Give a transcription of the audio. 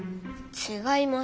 ちがいます。